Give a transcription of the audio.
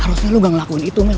harusnya lu gak ngelakuin itu mel